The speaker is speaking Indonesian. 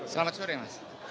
selamat sore mas